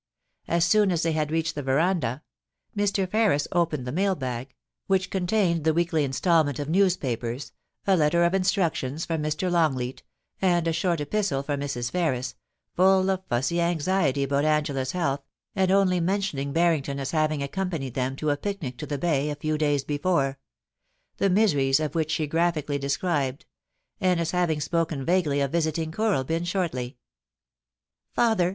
As soon as they had reached the veranda, Mr. Ferris opened the mail bag, which TOM DUNGIE GOSSIPS. if 9 contained the weekly instalment of newspapers, a letter of instructions from Mr. Longleat, and a short epistle from Mrs. Ferris, full of fussy anxiety about Angela's health, and only mentioning Barrington as having accompanied them to a picnic to the Bay a few days before — the miseries of which she graphically described — and as having spoken vaguely of visiting Kooralbyn shortly. ' Father